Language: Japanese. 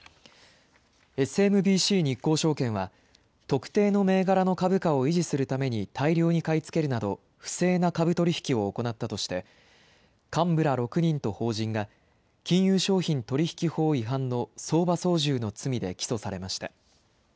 ＳＭＢＣ日興証券は、特定の銘柄の株価を維持するために大量に買い付けるなど、不正な株取り引きを行ったとして、幹部ら６人と法人が、金融商品取引法違反の相場操縦の罪で起訴されました。